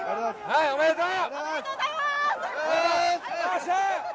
おめでとう。